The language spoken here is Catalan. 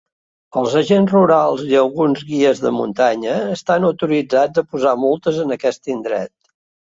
Els agents rurals i alguns guies de muntanya estan autoritzats a posar multes en aquest indret.